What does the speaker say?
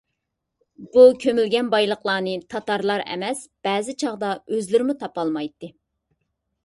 بۇ كۆمۈلگەن بايلىقلارنى تاتارلار ئەمەس، بەزى چاغدا ئۆزلىرىمۇ تاپالمايتتى.